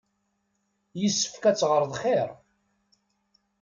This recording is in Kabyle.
Yessefk ad teɣreḍ xir.